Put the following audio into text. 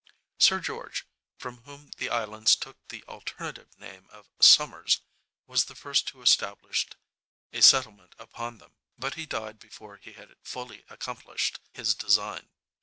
Sir George, from whom the islands took the alternative name of Somers, was the first who established a settlement upon them, but he died before he had fully accomplished his design.